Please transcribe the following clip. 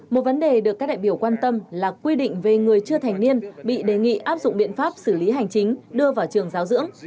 một vấn đề được các đại biểu quan tâm là quy định về người chưa thành niên bị đề nghị áp dụng biện pháp xử lý hành chính đưa vào trường giáo dưỡng